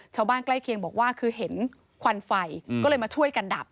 ใกล้เคียงบอกว่าคือเห็นควันไฟก็เลยมาช่วยกันดับ